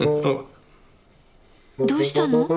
どうしたの？